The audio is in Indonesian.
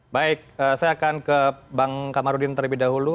baik saya akan ke bang kamarudin terlebih dahulu